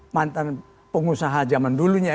mantan pengusaha zaman dulunya